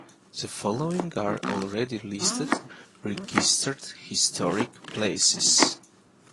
The following are already-listed Registered Historic Places.